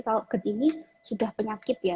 kalau gerd ini sudah penyakit ya